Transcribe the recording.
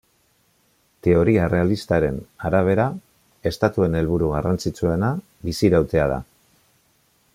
Teoria errealistaren arabera, estatuen helburu garrantzitsuena bizirautea da.